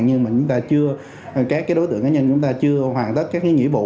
nhưng các đối tượng cá nhân chúng ta chưa hoàn tất các nhiệm vụ